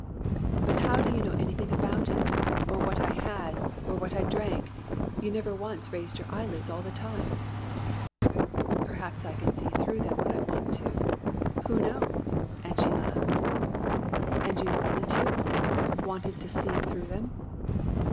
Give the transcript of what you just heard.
"But how did you know anything about it or what I had or what I drank? You never once raised your eyelids all the time!" "Perhaps I can see through them when I want to who knows!" and she laughed. "And you wanted to wanted to see through them?"